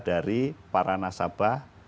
dari para nasabah